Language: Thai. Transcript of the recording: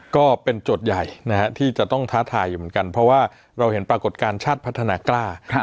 ก็เป็นโจทย์ใหญ่ที่จะต้องท้าทายอยู่เหมือนกันเพราะว่าเราเห็นปรากฏการณ์ชาติพัฒนากล้า